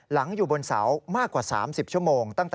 หลังอยู่บนเสามากกว่า๓๐ชั่วโมง